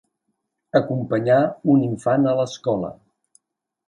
Acompanyar un infant a l'escola.